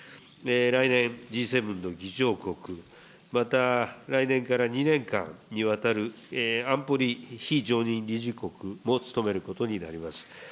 来年、Ｇ７の議長国、また来年から２年間にわたる安保理非常任理事国も務めることになります。